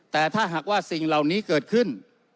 แต่ถ้าหากว่าสิ่งเหล่านี้เกิดขึ้น